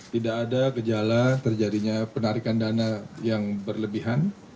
tidak ada gejala terjadinya penarikan dana yang berlebihan